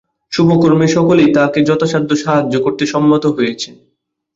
শুভকর্মে সকলেই তাঁকে যথাসাধ্য সাহায্য করতে সম্মত হয়েছে।